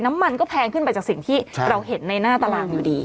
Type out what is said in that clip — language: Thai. น้ำมันก็แพงขึ้นไปจากสิ่งที่เราเห็นในหน้าตารางอยู่ดี